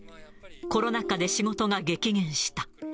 コロナ禍で仕事が激減した。